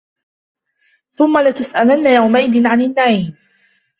ثُمَّ لَتُسْأَلُنَّ يَوْمَئِذٍ عَنِ النَّعِيمِ